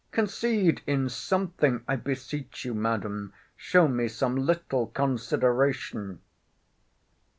—Concede in something!—I beseech you, Madam, show me some little consideration.